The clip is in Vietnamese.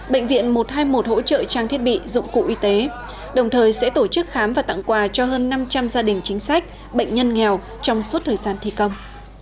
bệnh viện một trăm hai mươi một hỗ trợ trang thiết bị dụng cụ y tế đồng thời sẽ tổ chức khám và tặng quà cho hơn năm trăm linh gia đình chính sách bệnh nhân nghèo trong suốt thời gian thi công